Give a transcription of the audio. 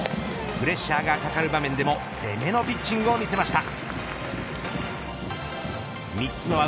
プレッシャーがかかる場面でも攻めのピッチングを見せました。